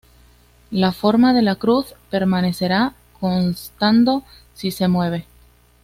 La forma de la cruz permanecerá constando si se mueve.